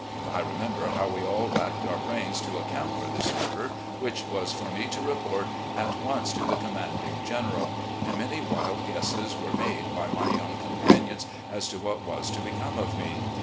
I remember how we all racked our brains to account for this order, which was for me to report "at once to the commanding general," and many wild guesses were made by my young companions as to what was to become of me.